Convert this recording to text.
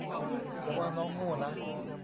อย่าว่าน้องโง่นะ